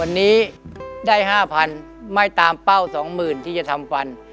วันนี้ได้๕๐๐๐ไม่ตามเป้า๒๐๐๐ที่จะทำฟัน